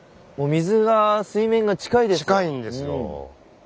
水が水面が近いですよ。近いんですよ。